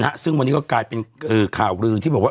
ซึ่งวันนี้ก็กลายเป็นข่าวลือที่บอกว่า